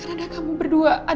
kan ada kamu berdua